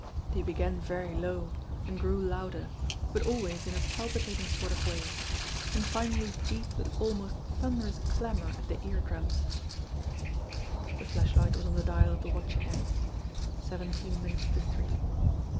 They began very low. 214 JIMMIE DALE AND THE PHANTOM CLUE and grew louder, but always in a palpitating sort of way, and finally beat with almost thunderous clamour at the ear drums. The flashlight was on the dial of the watch again. Seven teen minutes to three.